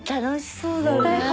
楽しそうだね。